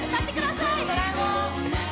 「ドラえもん」